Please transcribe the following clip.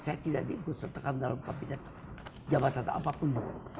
saya tidak diikutsertakan dalam kabinet jabatan apapun